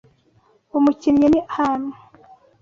Uwo mukinnyi ni ham.